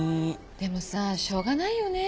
でもさしょうがないよね。